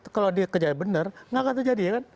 kalau dia kejahatan benar enggak akan terjadi